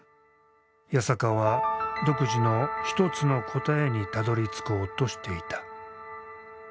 八坂は独自の一つの答えにたどりつこうとしていた。